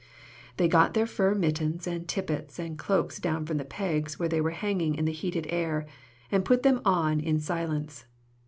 They got their fur mittens and tippets and cloaks down from the pegs where they were hanging in the heated air, and put them on in silence.